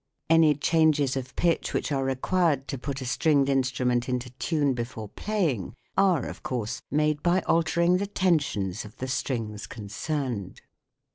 Any changes of pitch which are required to put a stringed instrument into tune before playing are, of course, made by altering the tensions of the strings concerned.